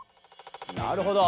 なるほど。